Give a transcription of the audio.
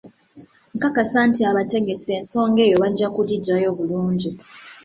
Nkakasa nti abategesi ensonga eyo bajja kugiggyayo bulungi